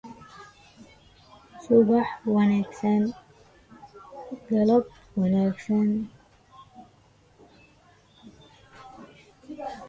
Bregovic didn't have any other alternative name.